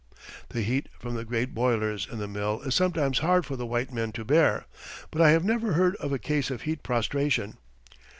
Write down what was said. The heat from the great boilers in the mill is sometimes hard for the white men to bear, but I have never heard of a case of heat prostration.